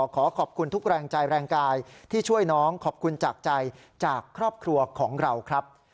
ขอขอบคุณทุกแรงใจแรงกายที่ช่วยน้องขอบคุณจากใจจากครอบครัวของเราครับ